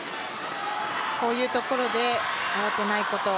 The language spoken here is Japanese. こういうところで慌てないこと。